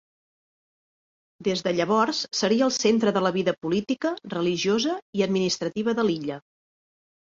Des de llavors seria el centre de la vida política, religiosa i administrativa de l'illa.